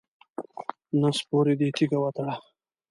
نس پورې دې تیږې وتړه.